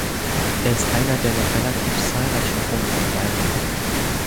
Er ist einer der noch relativ zahlreichen Brunnen in Weimar.